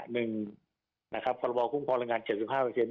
หนึ่งนะครับประบอบคุมพลังงานเจ็ดสิบห้าเปอร์เซ็นต์